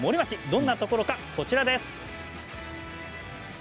どんなところか、こちらです。